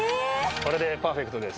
これでパーフェクトです。